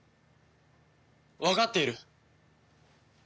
わかっている。